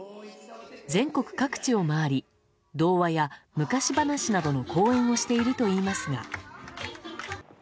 全国各地を回り童話や昔話などの公演をしているといいますが。